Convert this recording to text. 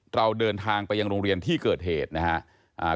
เราเดินทางไปยังโรงเรียนที่เกิดเหตุนะครับ